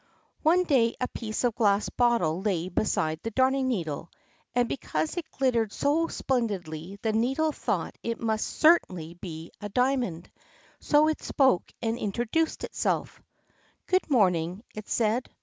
One day a piece of glass bottle lay beside the Darning needle, and because it glittered so splendidly the needle thought it must certainly be a diamond; so it spoke and introduced itself. "Good morning," it said.